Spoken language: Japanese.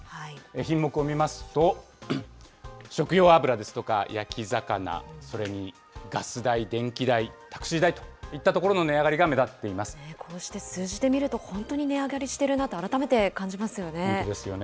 品目を見ますと、食用油ですとか焼き魚、それにガス代、電気代、タクシー代といったところの値上がりが目こうして数字で見ると、本当に値上がりしてるなと、改めて感じますよね。